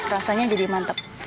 rasanya jadi mantep